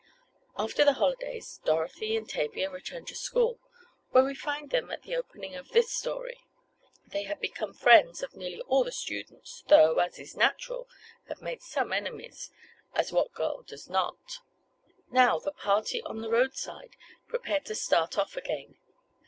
After the holidays Dorothy and Tavia returned to school, where we find them at the opening of this story. They had become friends of nearly all the students, though, as is natural, had made some enemies, as what girl does not? Now the party on the roadside prepared to start off again.